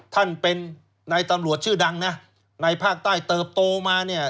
ท่านเป็นนายตำรวจชื่อดังนะในภาคใต้เติบโตมาเนี่ย